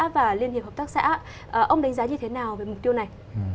và liên hiệp hợp tác xã ông đánh giá như thế nào về mục tiêu này